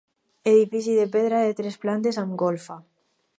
Edifici de pedra de tres plantes amb golfa.